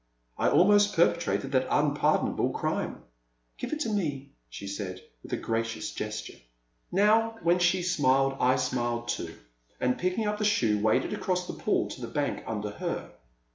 '' I almost perpetrated that unpardonable crime —" The Silent Land, 95 If Give it to me,*' she said, with a gracious gesture. Now when she smiled I smiled too, and picking up the shoe waded across the pool to the bank under her.